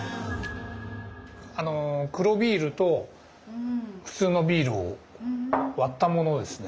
あの黒ビールと普通のビールを割ったものですね。